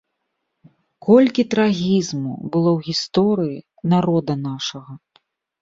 Колькі трагізму было ў гісторыі народа нашага!